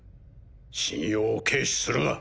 信用を軽視するな。